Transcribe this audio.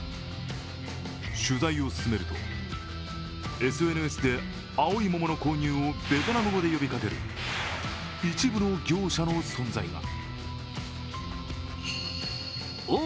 取材を進めると、ＳＮＳで青い桃の購入をベトナム語で呼びかける一部の業者の存在が。